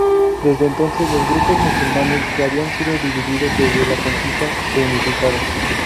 Desde entonces, los grupos musulmanes, que habían sido divididos desde la conquista, se unificaron.